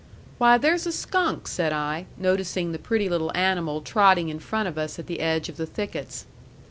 "Why, there's a skunk," said I, noticing the pretty little animal trotting in front of us at the edge of the thickets.